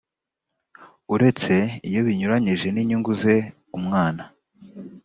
uretse iyo binyuranyije n inyungu ze umwana